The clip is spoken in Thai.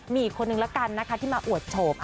มีอีกคนนึงละกันนะคะที่มาอวดโฉบ